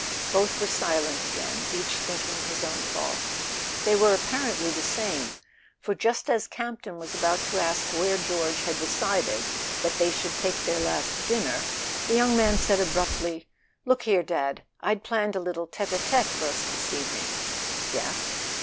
Both were silent again, each thinking his own thoughts. They were apparently the same, for just as Campton was about to ask where George had de¬ cided that they should take their last dinner, the young man said abruptly: "Look here. Dad; I'd planned a little tete a tete for us this evening." "Yes